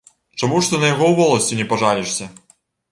Чаму ж ты на яго ў воласць не пажалішся?